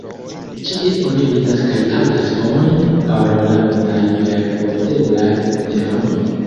Ĉie oni vidas kaj aŭdas homojn parolantaj per porteblaj telefonoj.